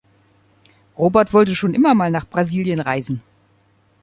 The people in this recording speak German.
Robert wollte schon immer mal nach Brasilien reisen.